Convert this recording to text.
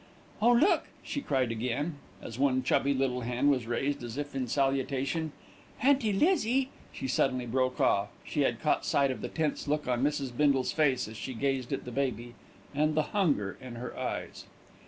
"Oh, look!" she cried again, as one chubby little hand was raised as if in salutation. "Auntie Lizzie " She suddenly broke off. She had caught sight of the tense look on Mrs. Bindle's face as she gazed at the baby, and the hunger in her eyes.